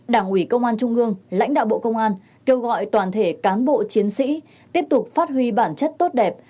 đảng ủy công an trung ương lãnh đạo bộ công an kêu gọi toàn thể cán bộ chiến sĩ tiếp tục phát huy bản chất tốt đẹp